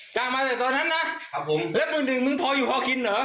จ้างมาจากตอนนั้นนะครับผมแล้วหมื่นหนึ่งมึงพออยู่พอกินเหรอ